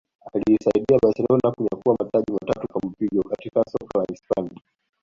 aliisaidia Barcelona kunyakua mataji matatu kwa mpigo katika soka la Hispania